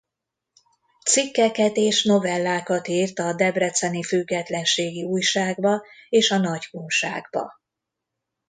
Cikkeket és novellákat írt a Debreceni Függetlenségi Újságba és a Nagykunságba.